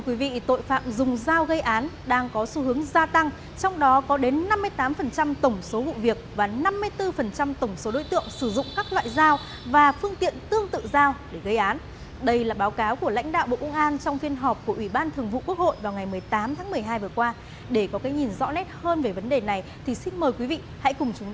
quý vị hãy cùng chúng tôi đềm lại một số vụ án có tính chất nghiêm trọng xảy ra trong thời gian qua